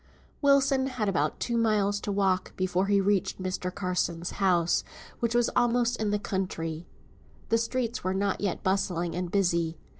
Wilson had about two miles to walk before he reached Mr. Carson's house, which was almost in the country. The streets were not yet bustling and busy.